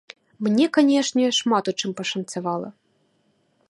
Мне, канешне, шмат у чым пашанцавала.